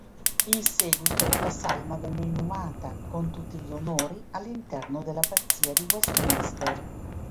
In seguito la salma venne inumata, con tutti gli onori, all'interno dell'Abbazia di Westminster.